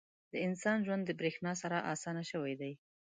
• د انسان ژوند د برېښنا سره اسانه شوی دی.